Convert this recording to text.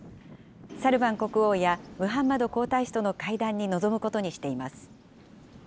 サルマン国王やムハンマド皇太子との会談に臨むことにしています。